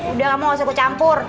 udah kamu gak usah kucampur